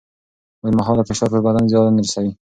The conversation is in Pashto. اوږدمهاله فشار پر بدن زیان رسوي.